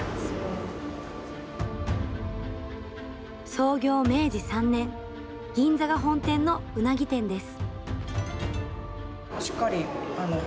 創業明治３年、銀座が本店のうなぎ店です。